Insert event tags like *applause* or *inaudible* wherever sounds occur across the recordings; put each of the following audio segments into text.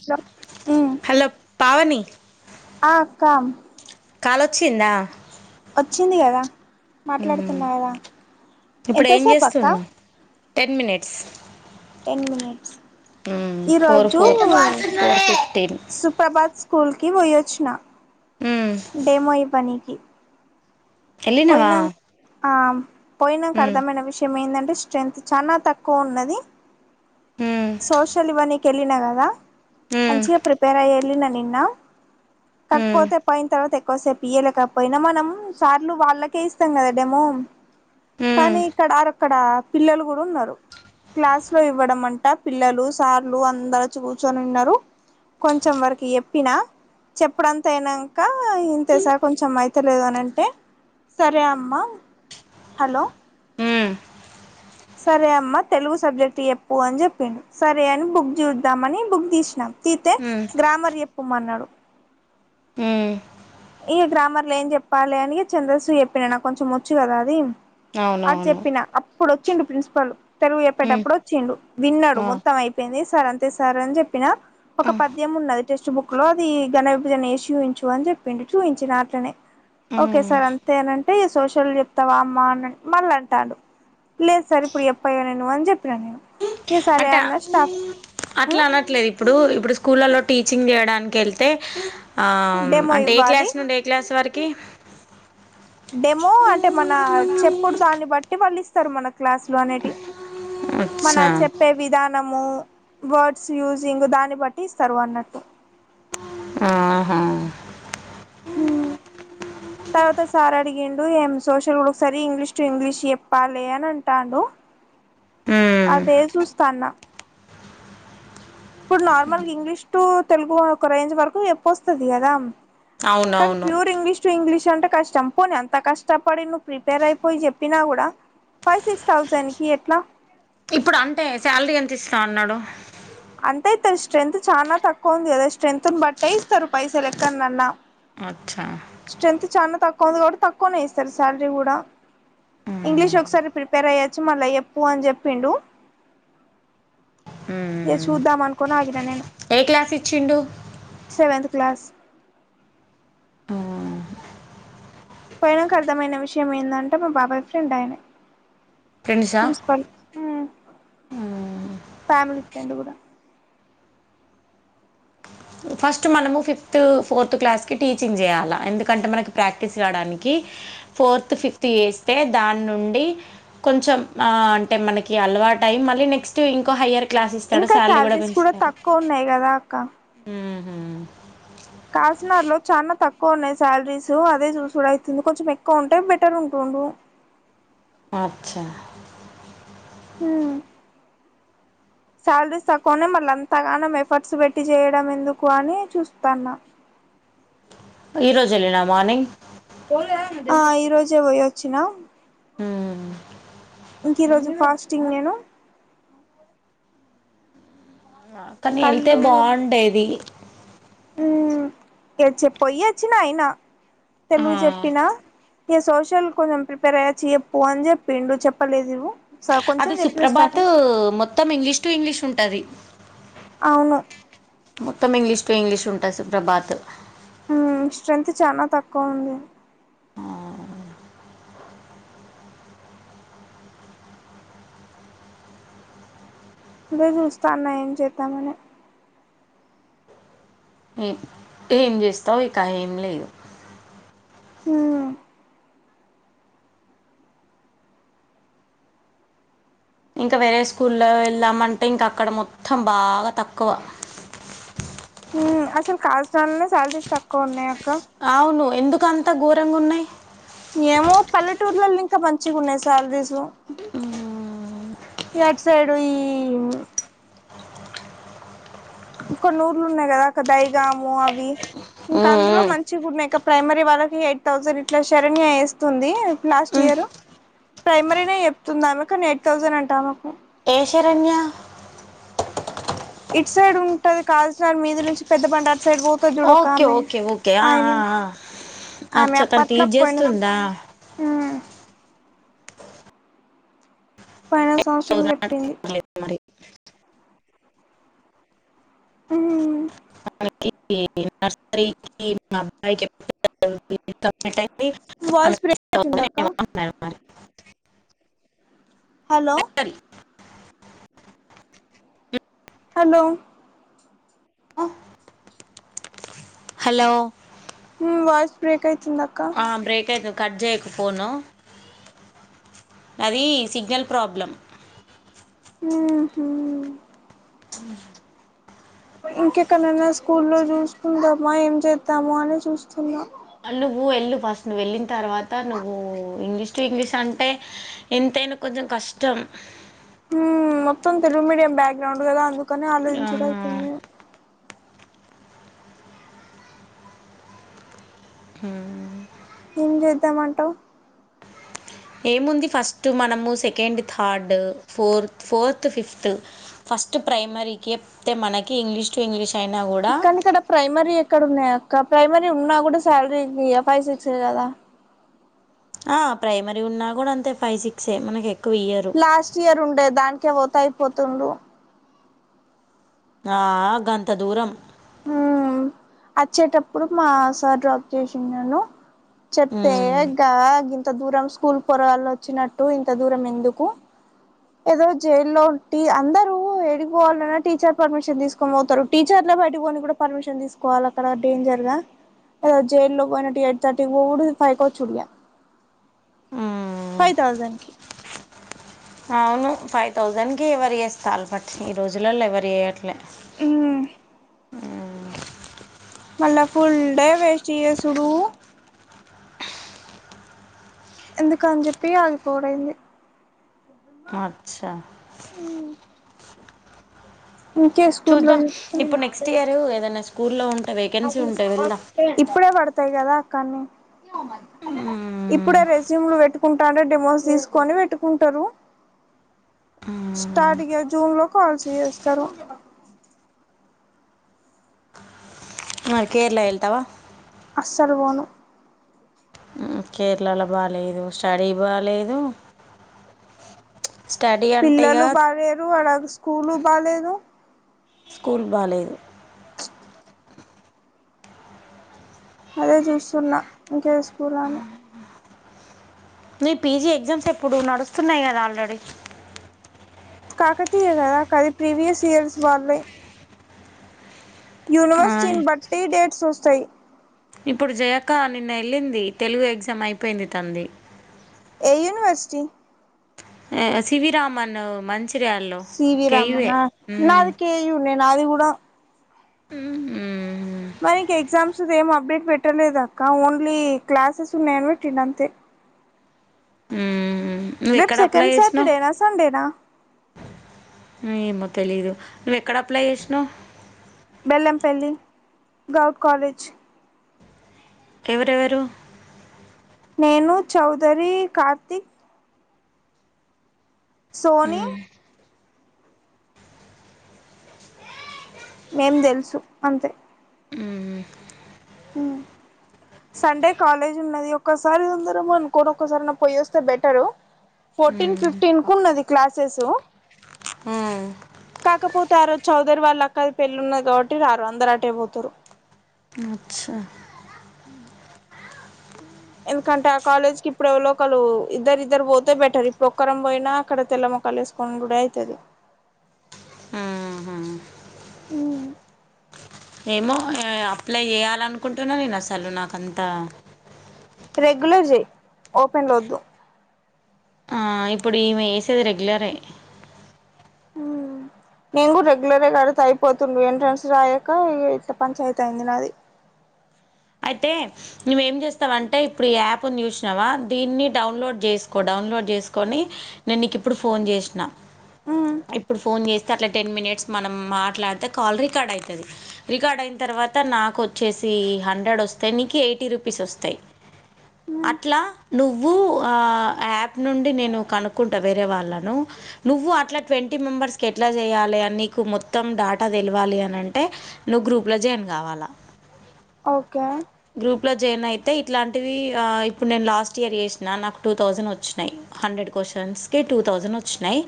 Hello ఉమ్ hello Pavani ఆ అక్క కాలొచ్చిందా వచ్చింది కదా మ్మ్. మాట్లాడుతున్న కదా ఇప్పుడు ఏం ఎంతసేపు అక్క చేస్తున్నావు ten minutes ten minutes four ఈరోజు ఫోర్ ఫోర్ ఫిఫ్టీన్ సుప్రభాత్ స్కూల్కి పోయొచ్చిన మ్మ్. డెమో ఇవ్వనికి వెళ్ళినవా పోయినా ఆ పోయినాక మ్మ్. అర్థమైన విషయం ఏంటంటే స్ట్రెంగ్త్ చాల తక్కువ ఉన్నది మ్మ్. సోషల్ ఇవన్నీక వెళ్ళిన కదా మ్మ్. మంచిగా ప్రిపేర్ అయ్యి ఏళ్లిన నిన్న మ్మ్. కాకపోతే పాయిన తర్వాత సేపు ఇవ్వలేకపోయినా మనం సార్లు వాళ్ళకే ఇస్తాం కదా డేమో మ్మ్. కానీ ఇక్కడరక్కడ పిల్లలు కూడా ఉన్నారు క్లాస్ లో ఇవ్వడం అంట పిల్లలు సార్లు అందరు కూర్చొని ఉన్నారు కొంచం వరకు ఎప్పినా చెప్పడంత అయినాక ఇంతే సార్ కొంచెం అయితలేదు అనింటే సరే అమ్మా హలో మ్మ్. సరే అమ్మ తెలుగు సబ్జెక్ట్ ఎప్పు అని చెప్పిడు సరే అని బుక్ చూద్దామని బుక్ తీసినాం తీతే మ్మ్. గ్రామర్ చెప్పమన్నాడు ఉమ్ ఈ గ్రామర్ లో ఏం చెప్పాలి అని చంద్రశూ చెప్పిన నా కొంచెం వచ్చు కదా అది అది అవునవును చెప్పిన అప్పుడు వచ్చిండు ప్రిన్సిపల్ తెలుగు మ్మ్. చెప్పేటప్పుడు వచ్చిండు విన్నాడు ఆ. మొత్తం అయిపోయింది సార్ అంతే సార్ అని చెప్పిన ఆ. ఒక పద్యం ఉన్నది టెక్స్ట్ బుక్ లో అది ఘన విభజన ఏసి చూపించు అని చెప్పిడు చూపించిన అట్లనే ఓకే మ్మ్. సార్ అంతే ఏనంటే సోష షల్ చెప్తావా అమ్మా అ మళ్ళ అంటాడు లేదు సార్ ఇప్పుడు చెప్పయ నే అని చెప్ప అంటే అట్లా అనట్లేదు ఇప్పుడు ఇప్పుడు స్కూలలో టీచింగ్ చేయడానికి వెళ్తే డెమో అంటే ఏ ఇవ్వాలి క్లాస్ నుండి ఏ క్లాస్ వరకు కీ డెమో అంటే మన చెప్పుడు దాన్ని బట్టి వాళ్ళు ఇస్తారు మనకు క్లాసులు అనేటి మన అచ్చా చెప్పే విధానము వర్డ్స్ యూజింగ్ దాన్ని బట్టి ఇస్తారు అన్నట్టు ఆహా తర్వాత సార్ అడిగిండు ఏం సోషల్ కూడా ఒకసారి ఇంగ్లీష్ టు ఇంగ్లీష్ చెప్పాలి అని అంటాడు మ్మ్. అదే చూస్తాన్న ఇప్పుడు నార్మల్ ఇంగ్లీష్ టు తెలుగు ఒక రేంజ్ వరకు ఎప్పు వస్తుది కదా క అవునవును ప్యూర్ ఇంగ్లిష్ టు ఇంగ్లిష్ అంటే కష్టం పోనీ ఎంత కష్టపడి నువ్వు ప్రిపేర్ అయిపోయి చెప్పినా కూడా ఫైవ్ సిక్స్ థౌసండ్కి ఎట్లా ఇప్పుడు అంటే శాలరీ ఎంత ఇస్తా అన్నాడు అంతే ఇస్తారు స్ట్రెంత్ చాలా తక్కువ ఉంది కదా స్ట్రెంత్ బట్టే ఇస్తారు పైసలు లెక్కనన్నా అచ్చా కొంద కూడా తక్కువనే ఇస్తారు శాలరీ కూడా మ్మ్. ఇంగ్లీష్ ఒకసారి ప్రిపేర్ అయ్యొచ్చు మళ్ళా చెప్పు అని చెప్పిండు *unintelligible* ఏ చూద్దాం అనుకోని ఆగిన నేను ఏ క్లాస్ ఇచ్చిండు సెవెంత్ క్లాస్ ఆ పోయినాక అర్థమైన విషయం ఏందంటే మా బాబాయ్ ఫ్రెండ్ ఆయనే ఫ్రెండ్సా ఆ ఫ్యామిలీ ఫ్రెండ్ కూడా ఫస్ట్ మనము ఫిఫ్త్ ఫోర్త్ క్లాస్కి టీచింగ్ చేయాలా ఎందుకంటే మనకి ప్రాక్టీస్ కాడానికి ఫోర్త్ ఫిఫ్త్ చేస్తే దాని నుండి కొంచెం ఆ అంటే మనకి అలవాటై మళ్ళీ నెక్స్ట్ ఇంకో హైయర్ క్లాస్ ఇస్తాడు ఇంకా శాలరీ కూడా శాలరీస్ పెంచుతారు తక్కువ ఉన్నాయి కదా ఉహు కాసజ్ నగర్ లో చాలా తక్కువ ఉన్నాయి శాలరీస్ అదే చూసూడు అయితుంది కొంచెం ఎక్కువ ఉంటే బెటర్ ఉంటుండు అచ్చ మ్మ్ శాలరీస్ తక్కువనే మళ్ళీ అంతగానం ఎఫర్ట్స్ పెట్టి చేయడం ఎందుకు అని చూస్తాన్న ఈరోజు ఎల్లినవ మార్నింగ్ ఆ ఈ రోజే పోయొచ్చినా మ్మ్. ఇంక ఈ రోజు ఫాస్టింగ్ నేను కానీ వెళ్తే కళ్ళు బాగుండేది ఉ ఏ చెప్ పోయి వచ్చినా అయినా తెలుగు ఆ. చెప్పినా ఇక సోషల్ కొంచెం ప్రిపేర్ అయ్యి చెప్పు అని చెప్పిండు చెప్పలేదు స కొంచెం అది చెప్పిన సుప్రభాత్ స్టార్టింగ్ మొత్తం ఇంగ్లీష్ టు ఇంగ్లీష్ ఉంటది అవును మొత్తం ఇంగ్లీష్ టు ఇంగ్లీష్ ఉంటది సుప్రభాత్ ఉ స్ట్రాంత్ చానా తక్కువ ఉంది ఆ అదే చూస్తాన్న ఏం చేద్దామని ఏ ఏం చేస్తావు ఇక ఏం లేదు ఊ ఇంకా వేరే స్కూల్లో వెళ్ళామంటే ఇంక అక్కడ మొత్తం బాగా తక్కువ ఉ అసలు కాసజ్ నగర్ లోనే సాలరీస్ తక్కువ ఉన్నాయా అవును ఎందుకంత ఘోరంగా ఉన్నాయి టూర్లలో ఇంకా మంచిగా ఉన్నాయి సాలరీస్ ఆటు సైడ్ ఈ కొన్ని ఊర్లు ఉన్నాయి కదా అక్క దయగాము అవి ఇంకా అందులో మంచి గున్నాయి ఇక ప్రైమరీ వాళ్ళకి ఎయిట్ థౌసండ్ ఇట్లా శరన్య వేస్తుంది లాస్ట్ ఇయర్ రు ప్రైమరీనే చెప్తుందామె కానీ ఎయిట్ థౌసండ్ అంటా ఆమెకు ఏ శరణ్య ఇట్ సైడ్ ఉంటది కావల్సిన మీద నుంచి పెద్ద బండరు అటు సైడ్ పోతది చూడు ఓకే ఒకామె ఓకే ఓకే ఆ, ఆమె ఆ, ఆ. ఆమె అచ్చా తను అప్పట్లో టీచ్ పోయిన చేస్తుందా ఊ పోయిన సంవత్సరం చెప్పింది లేదు మరి ఊ ఈ నర్సరీ *inaudible* వాయిస్ బ్రేక్ ఇతుంది అక్క అన్నారు మరి హలో సరే హలో హలో వాయిస్ బ్రేక్ యితే ఆ బ్రేక్యితు కట్ చేయక ఫోను అది సిగ్నల్ ప్రాబ్లమ్ హ హ అ ఇంకెక్కనన్న స్కూల్లో చూసుకుందమా ఏం చేద్దాము అని చూస్తున్నా నువ్వు వెళ్ళు ఫస్ట్ నువ్వు వెళ్ళిన తర్వాత నువ్వు ఇంగ్లీష్ ఇంగ్లీష్ అంటే ఎంతైనా కొంచెం కష్టం మొత్తం తెలుగు మీడియం బ్యాక్గ్రౌండ్ కదా అందుకని ఆ ఆలోచించడం అయితుంది హ ఏం చేద్దామంటా ఏముంది ఫస్ట్ మనము second third four fourth fifth first ప్రైమరీకిప్తే మనకి ఇంగ్లీష్ టు ఇంగ్లీష్ అయినా కూడా ఇక్క ఇక్కడ ప్రైమరీ ఎక్కడ ఉన్నాయా ఇ ప్రైమరీ ఉన్నా కూడా శాలరీ ఇ ఫైవ్ సిక్స్ కదా ఆ ప్రైమరీ ఉన్నా కూడా అంతే ఫైవ్ సిక్స్ే మనకి ఎ లాస్ట్ ఇయర్ ఉండే దానికే త అయిపోతు్ర ఆ గంత దూరం వచ్చేటప్పుడు మా సార్ డ్రాప్ చేసిను చెత్త ఉమ్ అగగా ఆగింత ఇంత దూరం స్కూల్ పొర వాళ్ళ వచ్చినట్టు ఇంత దూరం ఎందుకు ఏదో జైల్లో అందరుూ ఏడిపోవాలన్నా టీచర్ పర్మిషన్ తీసుకోని పోతారు టీచర్ల బయటికని కూడా పర్మిషన్ తీసుకోవాలి అక్కడ డేంజర్ గా ఏదో జ లో పోయినటు ఎయిట్ తర్టీకి పో ఫైవ్కి వచ్చు కుడి ఉమ్ ఫైవ్ థౌజండ్ కి అవును ఫైవ్ థౌజండ్ కి ఎవరి వస్తా అల బట్టి ఈ రోజులలో ఎవరు వయట్లే ఆ మళ్ళా ఫుల్ డే వేస్ట్ చేయసుడు ఎందుక అని చెప్పి ఆగిపోడైంది అచ్చా ఇంకే స్కూల్లో చూద్దాం ఇప్పుడు నెక్స్ట్ ఇయర్ ఏదైనా స్కూల్లో ఉంటే వేకెన్సీ ఉంటే వెళ్దాం ఇప్పుడే పడుతు వస్తాయి కదా అక్కన్న మ్మ్. ఇప్పుడే రెసూమ్లు పెట్టుకుంటాంటే డిమోస్ తీసుకొని పెట్టుకుంటారు స్టార్ట్య జూన్ లో కాల్స్ చేస్తారు మరి కేరళ వెళ్తావా సర్వను కేరళలో బాగాలేదు స్టడీ బాలేదు పిల్లలు బాలేేరు అలాగ స్కూలు బాలేదు స్కూల్ బాలేదు అదే చూస్తున్నా ఇంకే స్కూల్ అని మీ పీజీ ఎగ్జామ్స్ ఎప్పుడు నడుస్తున్నాయి కదా ఆల్రెడీ కాకతీయ కదా కది ప్రీవియస్ ఇయర్స్ వాళ్లే యూనివర్సిటీని బట్టి డేట్స్ వస్తాయి ఇప్పుడు జయక నిన్న వెళ్ళింది తెలుగు ఎగ్జామ్ అయిపోయింది తండ్రి ఏ యూనివర్సిటీ శివరామన్ మంచించి సిి వి రామనా నా మ్మ్. అది కేయన్నే నా అది కూడాడా హ్మ్ మనకి ఎగజా ఏం అప్డేట్ పెట్టలేదు అక్క ఓన్లీ క్లాసెస్ ఉన్నాయని పెట్టింది అంతే ఉహు నువ్ రేపు ఎక్కడ అప్లై సెకండ్ చేసినావు సాటర్డేనా సండేనా ఏమో తెలీదు నువ్వు ఎక్కడ అప్లై చేసినావు బెల్లంపల్లి గౌడ్ కాలేజ్ ఎవరెవరు నేను, చౌదరి, కార్తిక్ సోని హ్మ్ మేం తెలుసు అంతే ఉ సండే కాలేజ్ ఉన్నది ఒక్కసారి అందరము అనుకోని ఒక్కసారి నా పోయేస్తే బెటరు ఫోర్టీన్ హ్మ్ ఫిఫ్టీన్ కు ఉన్నది క్లాసెస్ హా పోతారు చౌదరి వాళ్ళు అక్క పెళ్ళి ఉన్న కాబట్టి రారు అందరు అటే పోతారు అచ్చా ఎందుకంటే ఆ కాలేజ్ లు ఇప్పుడు ఎవలోకలు ఇద్దరి ఇద్దరు పోతే బెటర్ ఇప్పుడు ఒక్కరం పోయినా అక్కడ తెల్లమ కలిస్కం గుడి అయితది ఉహు ఏమో అప్లై చేయాలనుకుంటున్నా నేను అసలు నాకంత రెగ్యులర్ ది ఓపెన్లో వద్దు ఆ ఇప్పుడు ఈమె వేసేది రెగ్యులరే నేను కూడా రెగ్యులర్ కడిత అయిపోతుండ ఎంట్రన్స్ రాయక ఇట్లా పంచాయతీ అయింది నాది అయిే మవ ఏం చేస్తావంటే ఇప్పుడు ఈ యాప్ చూసినావా దీన్ని డౌలోడ్ చేసుకో డౌన్లోడ్ చేసుకొని నేను నీకు ఇప్పుడు ఫోన్ చేసిన ఇప్పుడు ఫోన్ చేసి అట్లా టెన్ మినిట్స్ మనం మాట్లాడితే కాల్ రికార్డ్ అయితది రికార్డ్ అయిన తర్వాత నాకు వచ్చేసి హండ్రెడ్ వస్తే నీకు ఎయిటి రుపీస్ వస్తాయి అట్లా నువ్వు నువ్వు యాప్ నుండి నేను కనుక్కుంటా వేరే వాళ్ళను నువ్వు అట్లా ట్వంటీ మెంబర్స్ కి ఎట్లా చేయాలిని నీకు మొత్తం డాటా తెలవాలి అంటే నువ్వు గ్రూప్ లో జాయిన్ కావాలా ఓకే గ్రూప్ లో జాయిన్ అయితే ఇట్లాంటివి ఇప్పుడు నేను లాస్ట్ ఇయర్ చేసిన నాకు టూ థౌసండ్ వచ్చినాయి హండ్రెడ్ క్వశ్చన్స్ కి టూ థౌసండ్ వచ్చినాయి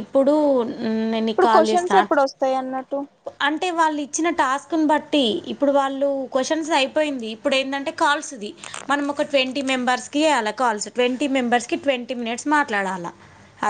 ఇప్పుడు ఉమ్ నేను ఇప్పుడు కాల్ క్వశ్చన్స్ చేస్తా ఎప్పుడు వస్తాయి అన్నట్టు అంటే వాళ్ళు చిన టాస్క్ను బట్టి ఇప్పుడు వాళ్ళు క్వశ్చన్స్ అయిపోయింది ఇప్పుడు ఏంటంటే కాల్స్ ఇది మనం ఒక ట్వంటీ మెంబర్స్ కి అలా కాల్స్ ట్వంటీ మెంబర్స్కి ట్వంటీ మినిట్స్ మాట్లాడాలి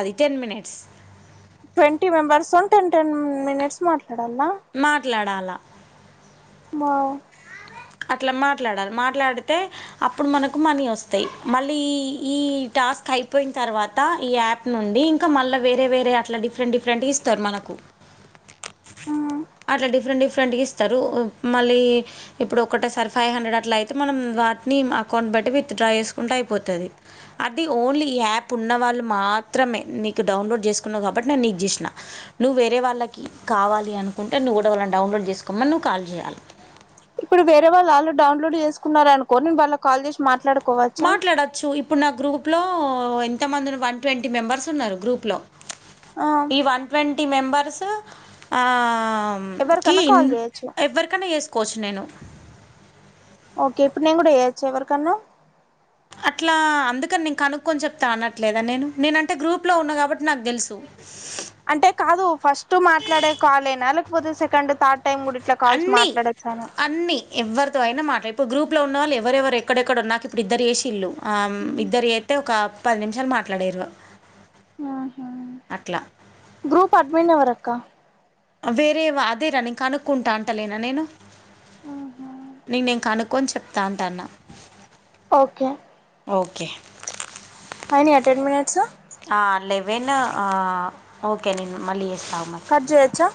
అది ten minutes twenty members ten ten minutes మాట్ మాట్లాడాలా మా అట్లా మాట్లాడాలి మాట్లాడితే అప్పుడు మనకు మనీ వస్తాయి మళ్ళీ ఈ ఈ టాస్క్ అయిపోయిన తర్వాత ఈ యాప్ నుండి ఇంకా మళ్ళా వేరే వేరేయా అట్లా డిఫరెంట్ డిఫరెంట్ ఇస్తారు మనకు మ్మ్ అట్లా డిఫరెంట్ డిఫరెంట్గా ఇస్తారు మళ్ళీ ఇప్పుడు ఒకటసారి ఫైవ్ హండ్రెడ్ అట్లా అయితే మనం వాటిని అకౌంట్ బట్టి విత్ డ్రా చేసుకుంటే అయిపోతుంది అది ఓన్లీ యాప్ ఉన్న వాళ్ళు మా మాత్రమే నీకు డౌన్లోడ్ చేసుకున్నావు కాబట్టి నేను నీకు చేసిన నువ్వు వేరే వాళ్ళకి కావాలి అను కుంటే నువ్వు కూడా వాళ్ళని డౌన్లోడ్ చేసుకోమని నువ్వు కాల్ చేయాలి ఇప్పుడు వేరే వాళ్ళ ఆళ్ళు డౌన్లోడ్ చేసుకున్నన్నారు అనుకో నేను వాళ్ళకు కాల్ చేసి మాట్లాడక్ మాట్లాడచ్చు ఇప్పుడు నా గ్రూప్ లో ఎంతమంది వన్ ట్వంటీ మెంబర్స్ ఉన్నరు గ్రూప్ లో ఆ ఈ వన్ ట్వంటీ మెంబర్స్ ఆ అమ్ కీ ఎవరికన్నా కాల్ చేయొచ్చు ఎవరికన్నా చేసుకోవచ్చు నేను ఓకే ఇప్పుడు నేను గూడా చేయొచ్చా ఎవరికన్నా అట్లా అందుకని నీను కనుక్కొని చెప్తా అనట్లేదా నేను నేనంటే గ్రూప్ లో ఉన్న కాబట్టి నాకు తెలుసు స్ అంటే కాదు ఫస్ట్ మాట్లాడే కాలేనా లేకపోతే సెకండు థర్డ్ టైమ్ కూడా ఇట్లా కాల్స్ అన్నీ మాట్లాడొచ్చాను అన్నీ ఎవరితో అయినా మాటలు ఇప్పుడు గ్రూప్ లో ఉన్న వాళ్లు ఎవరెవరు ఎక్కడెక్కడున్నా నాకు ఇప్పుడ ఇద్దరు చేసిల్లు ఆ ఇద్దరి అయితే ఒక పది నిమిషాలు మాట్లాడే గ ఆహా గ్రూప్ అడ్మిన్ ఎవర అక్క వేరే వా అదేరా నేను కనుక్కుంటా అంటలేనా నేను నేన్ నేను కనుక్కొని చెప్తా అంటాన్న ఒకే ఒకే అయినయా టెన్ మినెట్సు ఆ లెవెనూ ఆ ఒకే నేను మళ్ళీ చేస్ కడ్ చేయచ్చా